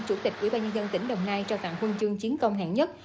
chủ tịch ubnd tỉnh đồng nai trao tặng huân chương chiến công hạng nhất